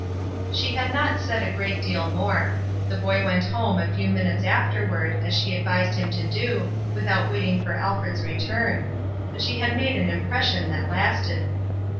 She had not said a great deal more. The boy went home a few minutes afterward, as she advised him to do, without waiting for Alfred^s return; but she had made an impres sion that lasted.